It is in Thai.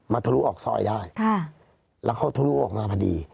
ทะลุออกซอยได้แล้วเขาทะลุออกมาพอดี